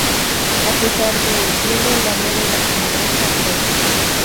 A pesar de el hielo, la nieve y la comadreja Bros.